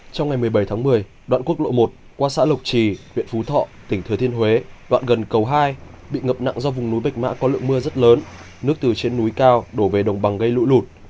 trong ngày một mươi bảy tháng một mươi đoạn quốc lộ một qua xã lộc trì huyện phú thọ tỉnh thừa thiên huế đoạn gần cầu hai bị ngập nặng do vùng núi bạch mã có lượng mưa rất lớn nước từ trên núi cao đổ về đồng bằng gây lũ lụt